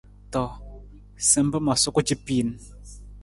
To, sampa ma suku capiin.